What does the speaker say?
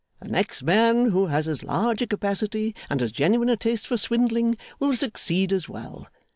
The next man who has as large a capacity and as genuine a taste for swindling, will succeed as well.